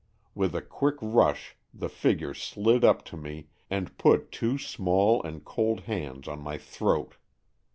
With a quick rush the figure slid up to me, and put two small and cold hands on my throat.